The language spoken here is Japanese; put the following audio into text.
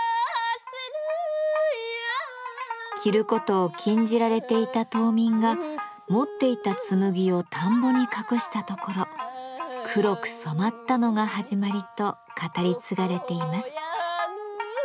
着ることを禁じられていた島民が持っていた紬を田んぼに隠したところ黒く染まったのが始まりと語り継がれています。